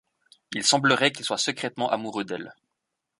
Il semblerait qu'il soit secrètement amoureux d'elle.